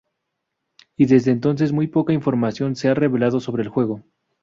Y desde entonces muy poca información se ha revelado sobre el juego.